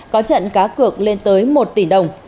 có trận cá cược lên tới một tỷ đồng